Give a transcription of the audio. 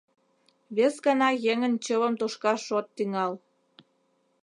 Вес гана еҥын чывым тошкаш от тӱҥал.